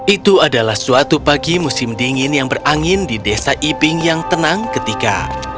itu adalah suatu pagi musim dingin yang berangin di desa iping yang tenang ketika